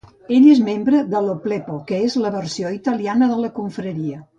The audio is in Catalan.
Ell és membre de l'Oplepo, que és la versió italiana de la confraria.